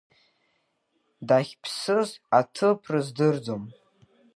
Дахьԥсыз аҭыԥ рыздырӡом.